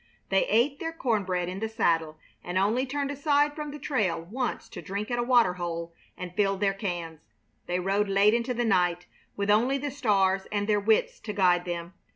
They ate their corn bread in the saddle, and only turned aside from the trail once to drink at a water hole and fill their cans. They rode late into the night, with only the stars and their wits to guide them.